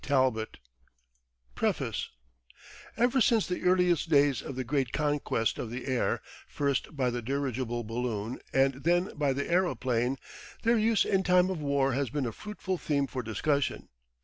Talbot PREFACE Ever since the earliest days of the great conquest of the air, first by the dirigible balloon and then by the aeroplane, their use in time of war has been a fruitful theme for discussion.